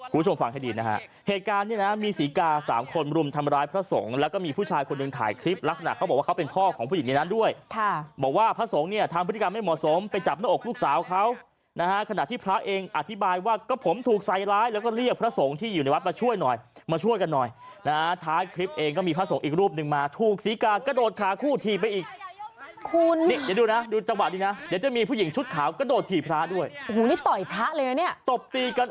คุณผู้ชมถึงท่านกับคนอาจกระโดดขาคู่ถี่พระเลยนะฮะ